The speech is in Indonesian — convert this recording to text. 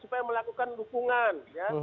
supaya melakukan dukungan